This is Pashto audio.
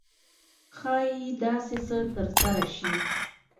ښایي داسې څه ترسره شي.